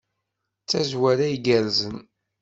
D tazwara igerrzen.